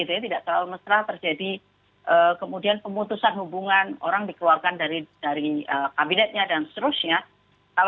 tidak terlalu mesra terjadi kemudian pemutusan hubungan orang dikeluarkan dari kabinetnya dan seterusnya